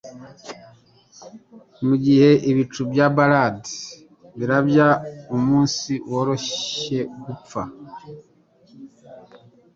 Mugihe ibicu bya barrèd birabya umunsi woroshye-upfa